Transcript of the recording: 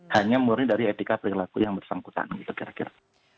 hanya murni dari etika perilaku yang bersangkutan gitu kira kira